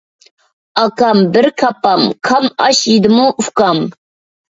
ئاكام بىر كاپام كام ئاش يېدىمۇ ئۇكام؟